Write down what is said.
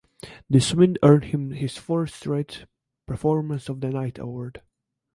This win earned him his fourth straight "Performance of the Night" award.